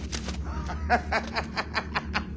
ハハハハハッ！